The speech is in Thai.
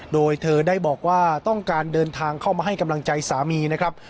โดยเธอได้บอกว่าต้องการเดินทางเข้ามาให้กำลังใจสามีนะครับ